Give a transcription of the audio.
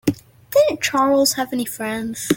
Didn't Charles have any friends?